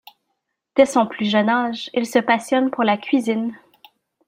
Dès son plus jeune âge, il se passionne pour la cuisine.